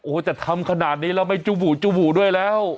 โอ้จะทำขนาดนี้แล้วไม่จุ๊บบุด้วยแล้ว